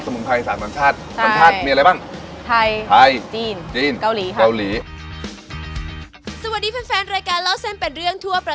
มันสามสัญชาติยังไงอะ